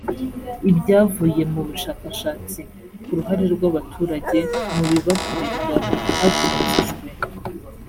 ibyavuye mu bushakashatsi k uruhare rw abaturage mu bibakorerwa hakurikijwe